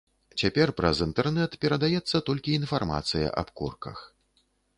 Цяпер праз інтэрнэт перадаецца толькі інфармацыя аб корках.